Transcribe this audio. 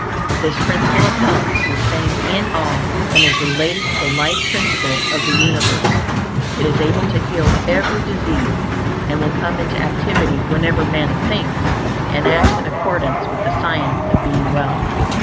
This Principle of Heath is the same in all, and is related to the Life Principle of the universe; it is able to heal every disease, and will come into activity whenever man thinks and acts in accordance with the Science of Being Well.